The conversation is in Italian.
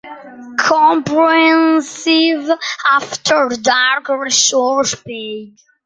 Comprehensive After Dark resource page